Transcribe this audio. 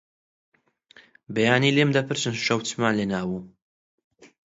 بەیانی لێم دەپرسن شەو چمان لێنابوو؟